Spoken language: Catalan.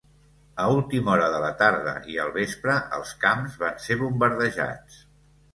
A última hora de la tarda i al vespre, els camps van ser bombardejats.